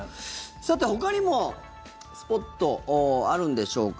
さて、ほかにもスポットあるんでしょうか？